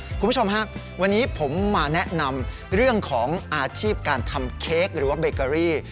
คุณผู้ชมฮะวันนี้ผมมาแนะนำเรื่องของอาชีพการทำเค้กหรือว่าเบเกอรี่